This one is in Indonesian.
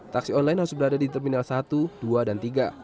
taksi online harus berada di terminal satu dua dan tiga